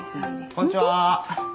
こんにちは。